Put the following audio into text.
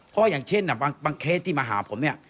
เพราะอย่างเช่นบางเคสที่มาหาผมเนี่ย